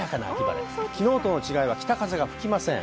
昨日との違いは北風が吹きません。